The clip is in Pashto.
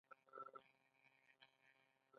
د اوبې ولسوالۍ ګرمې اوبه لري